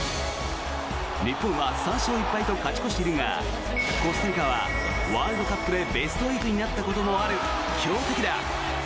日本は３勝１敗と勝ち越しているがコスタリカはワールドカップでベスト８になったこともある強敵だ。